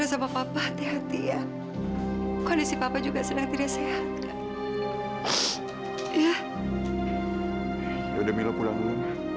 sampai jumpa di video selanjutnya